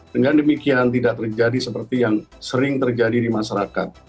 dengan demikian tidak terjadi seperti yang sering terjadi di masyarakat